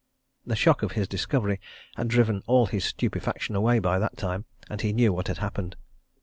The shock of his discovery had driven all his stupefaction away by that time, and he knew what had happened.